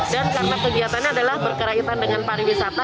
dan karena kegiatannya adalah berkerahitan dengan pariwisata